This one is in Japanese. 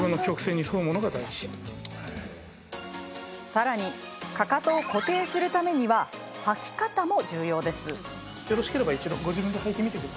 さらにかかとを固定するためには履き方も重要です。